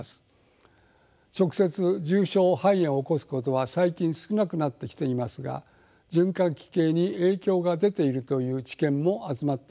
直接重症肺炎を起こすことは最近少なくなってきていますが循環器系に影響が出ているという知見も集まっています。